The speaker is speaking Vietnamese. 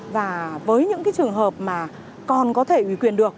và với những cái trường hợp mà còn có thể ủy quyền được